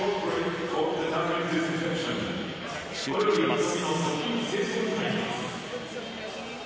集中してます。